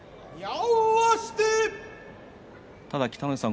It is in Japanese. ただ北の富士さん